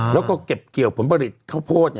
แล้วก็เก็บเกี่ยวผลผลิตข้าวโพด